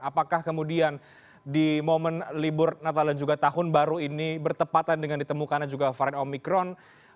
apakah kemudian di momen libur natal dan juga tahun baru ini bertepatan dengan ditemukannya juga varian omikron